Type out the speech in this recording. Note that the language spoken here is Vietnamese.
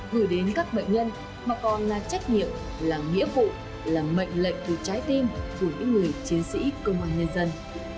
gửi đến các bệnh nhân mà còn là trách nhiệm là nghĩa vụ là mệnh lệnh từ trái tim của những người chiến sĩ công an nhân dân